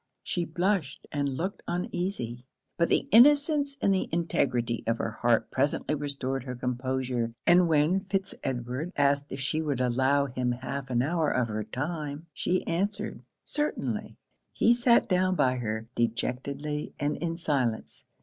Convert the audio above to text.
She blushed, and looked uneasy; but the innocence and integrity of her heart presently restored her composure, and when Fitz Edward asked if she would allow him half an hour of her time, she answered 'certainly.' He sat down by her, dejectedly and in silence.